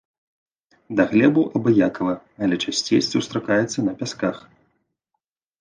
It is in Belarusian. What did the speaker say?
Да глебаў абыякава, але часцей сустракаецца на пясках.